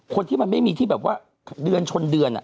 คนที่มันไม่มีที่แบบว่าเดือนชนเดือน